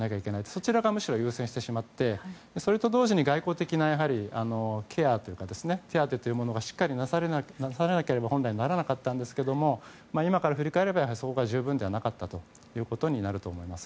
そちらがむしろ優先してしまってそれと同時に外交的なケアというか手当というものがしっかりなされなければ本来、ならなかったんですけども今から振り返ればそれでは十分ではなかったということになると思います。